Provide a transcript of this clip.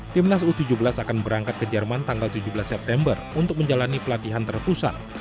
timnas u tujuh belas akan berangkat ke jerman tanggal tujuh belas september untuk menjalani pelatihan terpusat